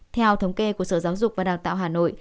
theo thống kê của sở giáo dục và đào tạo hà nội